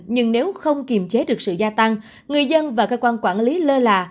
nhưng nếu không kiềm chế được sự gia tăng người dân và cơ quan quản lý lơ là